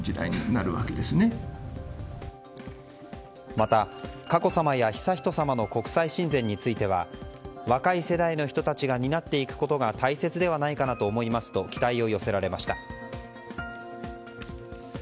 また佳子さまや悠仁さまの国際親善については若い世代の人たちが担っていくことが大切ではないかなと思いますと期待を寄せられました。